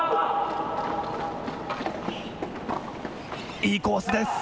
いいコースです。